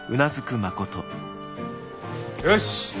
よし！